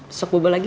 besok bubuk lagi